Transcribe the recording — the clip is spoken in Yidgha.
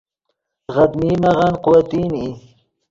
غدمین نغن قوتین ای